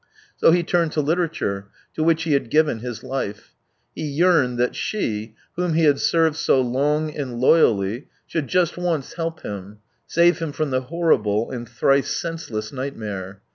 So he turned to literature, to which he had given his life. ... He yearned that she, whom he had served so long and loyally, should just once help him, save him from the horrible and thrice sense less nightmare.